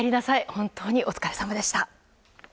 本当にお疲れ様でした。